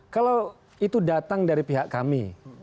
kalau itu datang dari pihak kami